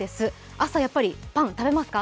朝やっぱりパン、食べますか？